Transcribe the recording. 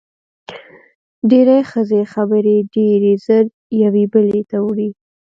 ډېری ښځې خبرې ډېرې زر یوې بلې ته وړي.